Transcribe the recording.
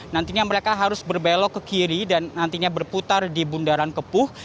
nantinya mereka harus berbelok ke kiri dan nantinya berputar di bundaran kepuh